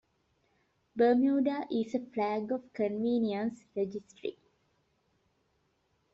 Bermuda is a flag of convenience registry.